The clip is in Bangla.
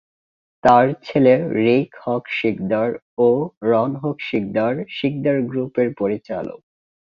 তার ছেলে রিক হক সিকদার ও রন হক সিকদার সিকদার গ্রুপের পরিচালক।